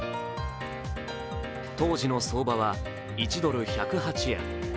当時の相場は１ドル＝１０８円。